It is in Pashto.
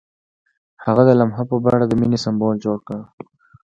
هغه د لمحه په بڼه د مینې سمبول جوړ کړ.